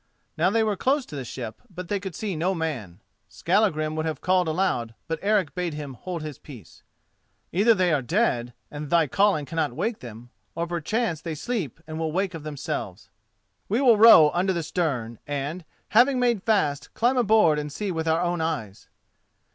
Now they were close to the ship, but they could see no man. Skallagrim would have called aloud, but Eric bade him hold his peace. "Either they are dead, and thy calling cannot wake them, or perchance they sleep and will wake of themselves. We will row under the stern, and, having made fast, climb aboard and see with our own eyes."